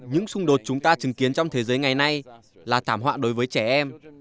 những xung đột chúng ta chứng kiến trong thế giới ngày nay là thảm họa đối với trẻ em